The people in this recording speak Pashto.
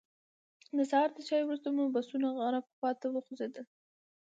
د سهار تر چایو وروسته مو بسونه غرب خواته وخوځېدل.